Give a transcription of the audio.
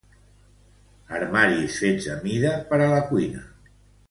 Armaris fets a mida per a la cuina.